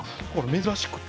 珍しくて。